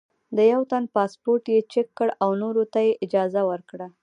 د یوه تن پاسپورټ یې چیک کړ او نورو ته یې اجازه ورکړه.